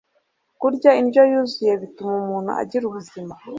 kurya indyo yuzuye bituma umuntu agira ubuzima